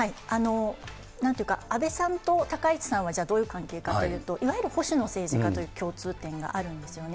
なんというか安倍さんと高市さんは、じゃあどういう関係かというと、いわゆる保守の政治かという共通点があるんですよね。